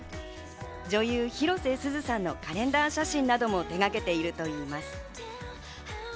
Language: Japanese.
女優・広瀬すずさんのカレンダー写真なども手がけているといいます。